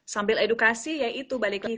sambil edukasi ya itu balik lagi